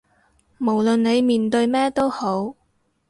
無論你面對咩都好